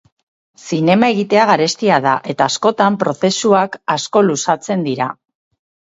Zinema egitea garestia da, eta askotan prozesuak asko luzatzen dira.